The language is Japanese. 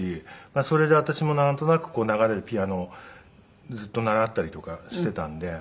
それで私もなんとなく流れるピアノをずっと習ったりとかしていたんで。